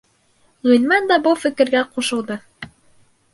Ғилман да был фекергә ҡушылды.